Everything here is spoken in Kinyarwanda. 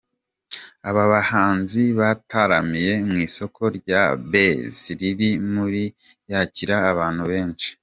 Aba bahanzi bataramiye mu isoko rya Base riri mu yakira abantu benshi.